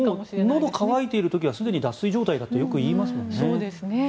のどが渇いている時にはすでに脱水状態だとよく言いますもんね。